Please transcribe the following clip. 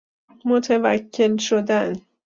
متوکل شدن